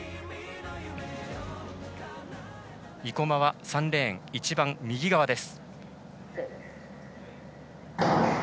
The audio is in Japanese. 生馬は３レーン一番右側です。